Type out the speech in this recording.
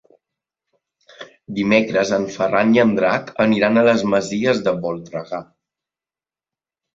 Dimecres en Ferran i en Drac aniran a les Masies de Voltregà.